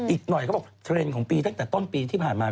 อีกหน่อยเขาบอกเทรนด์ของปีตั้งแต่ต้นปีที่ผ่านมา